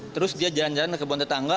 terus dia jalan jalan ke kebun tetangga